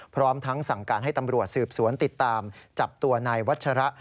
พร้อมทั้งสั่งการให้ตำรวจสืบสวนติดตามจับตัวนายวัชระ